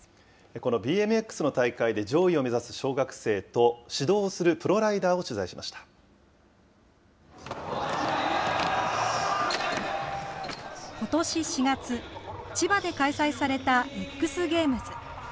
このＢＭＸの大会で上位を目指す小学生と指導をするプロライことし４月、千葉で開催されたＸゲームズ。